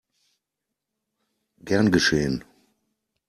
Gern geschehen!